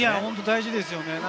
大事ですね。